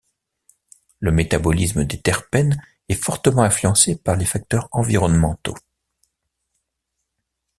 Le métabolisme des terpènes est fortement influencé par les facteurs environnementaux.